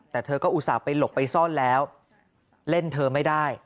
แต่เธอก็อุตส่าห์ไปหลบไปซ่อนแล้วเล่นเธอไม่ได้